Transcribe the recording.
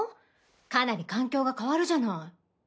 かなり環境が変わるじゃない。